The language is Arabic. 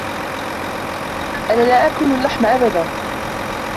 أنا لا آكل اللحم أبدا.